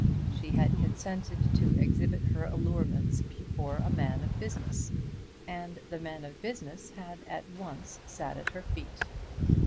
She had consented to exhibit her allurements before a man of business and the man of business had at once sat at her feet.